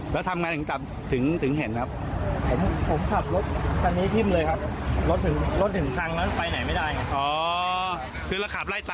เราอยู่ตรงหน้าห้องเลย